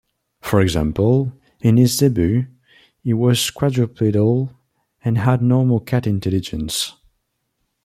For example, in his debut, he was quadrupedal and had normal cat intelligence.